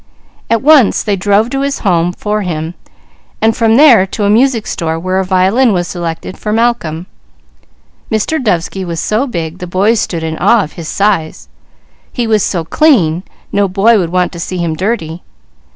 At once they drove to his home for him, and from there to a music store where a violin was selected for Malcolm. Mr. Dovesky was so big, the boys stood in awe of his size. He was so clean, no boy would want him to see him dirty.